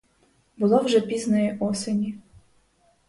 Було вже пізньої осені.